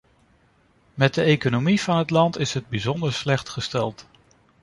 Met de economie van het land is het bijzonder slecht gesteld.